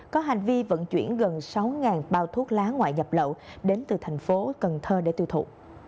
có hành vi vận chuyển gần sáu bao thuốc lá ngoại nhập lậu đến từ thành phố cần thơ để tiêu thụ